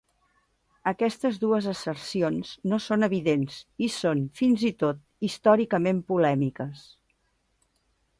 Aquestes dues assercions no són evidents i són fins i tot històricament polèmiques.